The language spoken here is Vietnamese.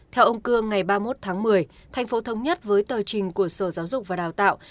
theo ông cương ngày ba mươi một tháng một mươi thành phố thống nhất với tờ trình của sở giáo dục và đào tạo